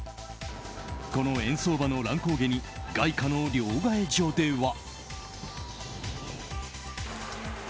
この円相場の乱高下に外貨の両替所では。